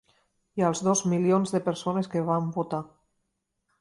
I als dos milions de persones que van votar.